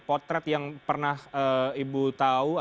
potret yang pernah ibu tahu